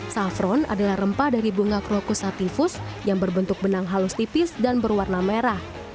safron adalah rempah dari bunga krokus ativus yang berbentuk benang halus tipis dan berwarna merah